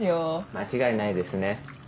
間違いないですね